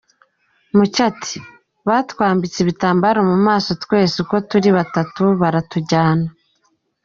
Mucyo ati “Batwambitse ibitambaro mu maso twese uko turi batatu baratujyana.